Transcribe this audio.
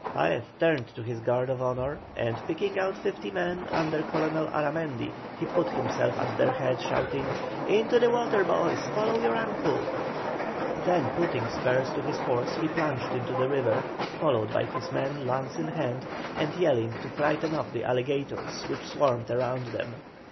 Paez turned to his guard of honour, and picking out fifty men under Colonel Aramendi, he put himself at their head, shouting: "Into the water, boys! Follow your Uncle!" Then putting spurs to his horse he plunged into the river, followed by his men lance in hand, and yelling to frighten off the alligators which swarmed around them.